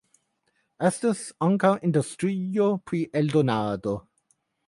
Estas ankaŭ industrio pri eldonado.